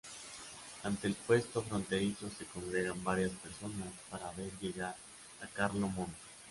Ante el puesto fronterizo se congregan varias personas para ver llegar a Carlo Monte.